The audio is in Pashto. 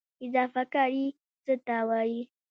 اضافه کاري څه ته وایي؟